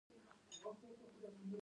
د خزانې ساتنه د ټولو دنده ده.